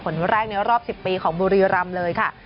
แรกในรอบ๑๐ปีของบุรีรำเลยค่ะ